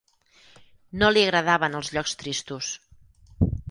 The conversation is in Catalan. No li agradaven els llocs tristos